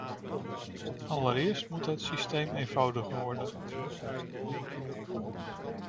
Allereerst moet het systeem eenvoudiger worden.